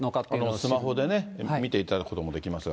スマホでね、見ていただくこともできますが。